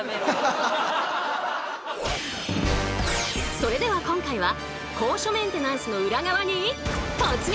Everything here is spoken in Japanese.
それでは今回は高所メンテナンスの裏側に突撃！